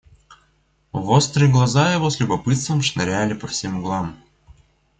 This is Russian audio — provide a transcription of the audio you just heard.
Вострые глаза его с любопытством шныряли по всем углам.